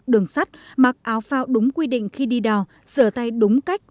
đường sắt mặc áo phao đúng quy định khi đi đào sửa tay đúng cách